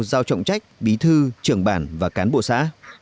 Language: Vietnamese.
giao trọng trách bí thư trưởng bản và cán bộ xã